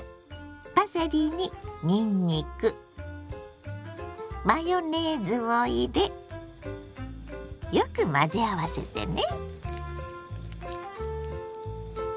パセリににんにくマヨネーズを入れよく混ぜ合わせてね。